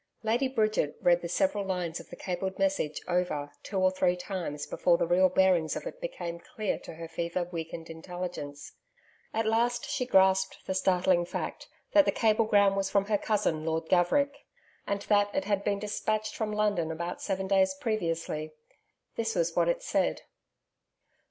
Lady Bridget read the several lines of the cabled message over two or three times before the real bearings of it became clear to her fever weakened intelligence. At last she grasped the startling fact that the cablegram was from her cousin, Lord Gaverick, and that it had been despatched from London about seven days previously. This was what it said.